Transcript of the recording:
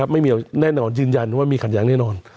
ไม่มีแน่นอนยืนยันว่ามีขัดแย้งแน่นอน